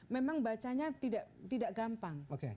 memang bacanya tidak gampang